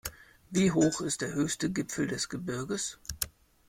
Wie hoch ist der höchste Gipfel des Gebirges?